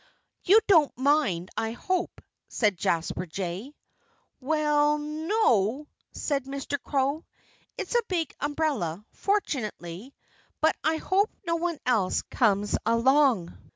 "You don't mind, I hope?" said Jasper Jay. "Well n no!" said Mr. Crow. "It's a big umbrella, fortunately. But I hope no one else comes along."